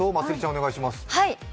お願いします。